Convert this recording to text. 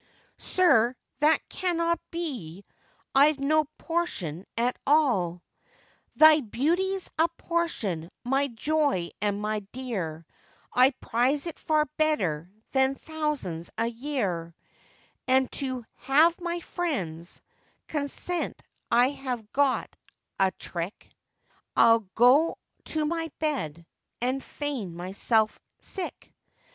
'Sir, that cannot be, I've no portion at all.' 'Thy beauty's a portion, my joy and my dear, I prize it far better than thousands a year, And to have my friends' consent I have got a trick, I'll go to my bed, and feign myself sick.